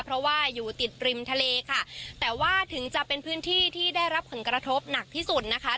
เพราะว่าอยู่ติดริมทะเลค่ะแต่ว่าถึงจะเป็นพื้นที่ที่ได้รับผลกระทบหนักที่สุดนะคะ